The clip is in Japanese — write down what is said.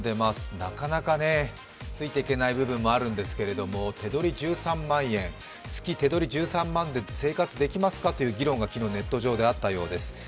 なかなかついていけない部分もあるんですけれども、月・手取り１３万円で生活できますかという議論が昨日、ネット上であったようです。